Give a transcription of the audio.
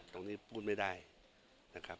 ตรงนี้พูดไม่ได้นะครับ